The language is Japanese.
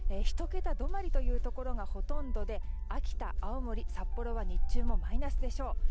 １桁止まりのところがほとんどで秋田、札幌、青森は日中もマイナスでしょう。